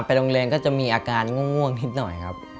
โรงเรียนก็จะมีอาการง่วงนิดหน่อยครับ